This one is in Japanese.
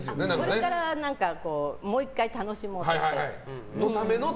これからもう１回楽しもうとするための。